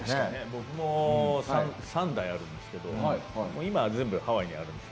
僕も３台あるんですけど今、全部ハワイにあって。